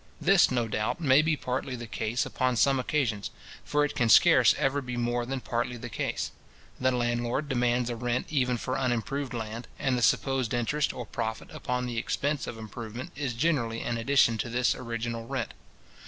This, no doubt, may be partly the case upon some occasions; for it can scarce ever be more than partly the case. The landlord demands a rent even for unimproved land, and the supposed interest or profit upon the expense of improvement is generally an addition to this original rent.